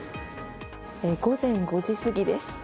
午前５時過ぎです。